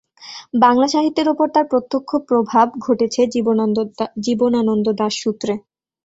বাংলাসাহিত্যের ওপর তাঁর প্রত্যক্ষ প্রভাব ঘটেছে জীবনানন্দ দাশ সূত্রে।